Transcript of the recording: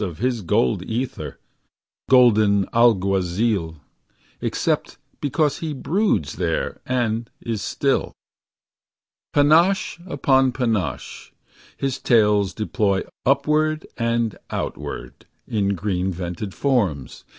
Of his gold ether, golden alguazil. Except because he broods there and is still. Panache upon panache, his tails deploy Upward and outward, in green vented forms.